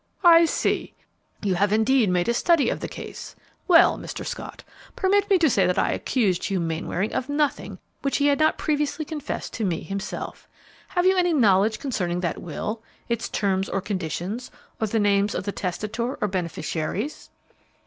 "I see; you have indeed made a study of the case. Well, Mr. Scott, permit me to say that I accused Hugh Mainwaring of nothing which he had not previously confessed to me himself. Have you any knowledge concerning that will, its terms or conditions, or the names of the testator or beneficiaries?"